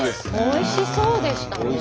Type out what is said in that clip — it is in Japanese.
おいしそうでしたね。